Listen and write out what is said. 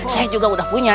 saya juga sudah punya